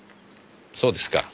そうですか。